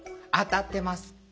当たってます。